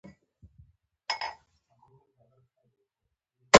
که عزت غواړئ؟ په هغه راضي اوسئ، چي خدای جل جلاله درکړي دي.